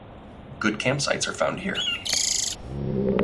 Good campsites are found here.